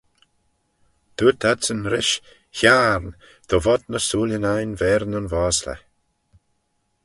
Dooyrt adsyn rish, hiarn, dy vod ny sooillyn ain v'er nyn vosley.